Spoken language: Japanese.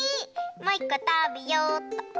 もういっこたべようっと。